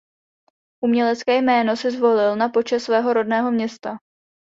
Umělecké jméno si zvolil na počest svého rodného města.